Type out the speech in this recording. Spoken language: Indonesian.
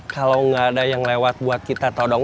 kalau gak ada yang lewat buat kita todong